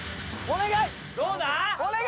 お願い！